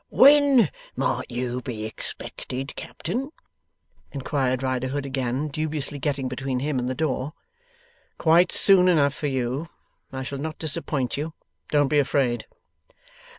'When might you be expected, Captain?' inquired Riderhood, again dubiously getting between him and door. 'Quite soon enough for you. I shall not disappoint you; don't be afraid.